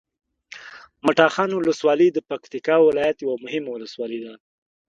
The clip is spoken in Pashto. مټاخان ولسوالي د پکتیکا ولایت یوه مهمه ولسوالي ده